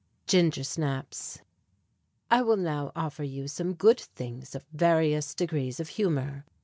GINGER SNAPS. I will now offer you some good things of various degrees of humor.